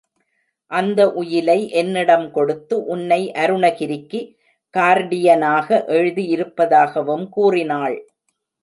அந்த உயிலை என்னிடம் கொடுத்து உன்னை அருணகிரிக்கு கார்டியனாக எழுதி இருப்பதாகவும் கூறினாள்.